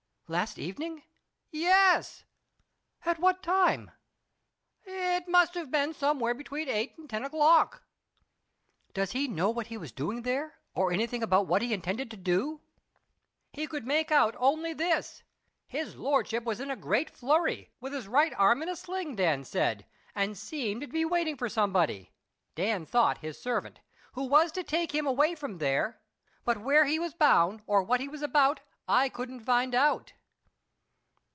"Last evening?" "Yes." "At what time?" "It must have been somewhere between eight and ten o'clock." "Does he know what he was doing there, or anything about what he intended to do?" "He could make out only this: His lordship was in a great flurry, with his right arm in a sling, Dan said; and seemed to be waiting for somebody Dan thought his servant who was to take him away from there; but where he was bound or what he was about, I couldn't find out."